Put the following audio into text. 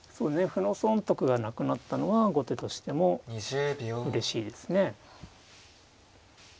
歩の損得がなくなったのは後手としてもうれしいですね。